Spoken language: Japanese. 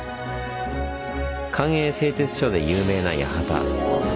官営製鐵所で有名な八幡。